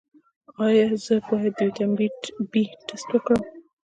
ایا زه باید د ویټامین بي ټسټ وکړم؟